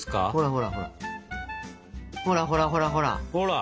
ほらほらほらほら！ほら！